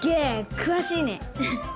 詳しいね。